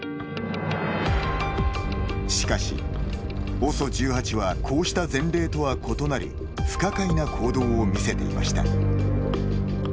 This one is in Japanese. しかし、ＯＳＯ１８はこうした前例とは異なる不可解な行動を見せていました。